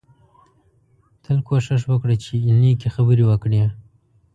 تل کوشش وکړه چې نېکې خبرې وکړې